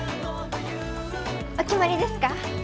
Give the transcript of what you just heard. お決まりですか？